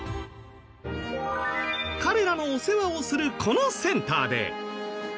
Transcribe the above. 彼らのお世話をするこのセンターで。